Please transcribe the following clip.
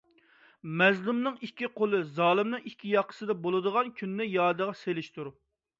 مەزلۇمنىڭ ئىككى قولى زالىمنىڭ ئىككى ياقىسىدا بولىدىغان كۈننى يادىغا سېلىشتۇر.